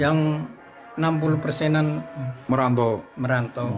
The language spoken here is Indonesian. yang enam puluh persenan merambau merantau